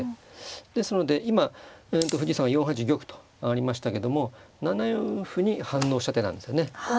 ですので今藤井さんが４八玉と上がりましたけども７四歩に反応した手なんですよね。